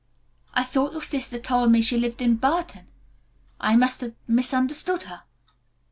"I thought your sister told me she lived in Burton. I must have misunderstood her."